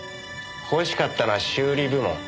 欲しかったのは修理部門。